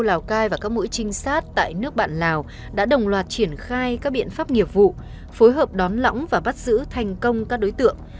lào cai và các mũi trinh sát tại nước bạn lào đã đồng loạt triển khai các biện pháp nghiệp vụ phối hợp đón lõng và bắt giữ thành công các đối tượng